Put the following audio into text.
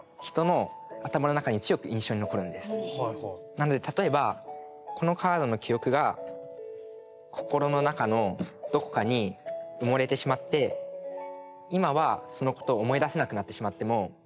なので例えばこのカードの記憶が心の中のどこかに埋もれてしまって今はそのことを思い出せなくなってしまっても。